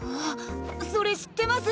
それ知ってます！